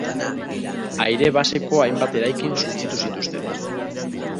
Aire baseko hainbat eraikin suntsitu zituzten.